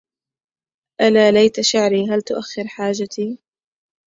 ألا ليت شعري هل تؤخر حاجتي